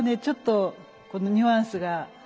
ちょっとこのニュアンスが。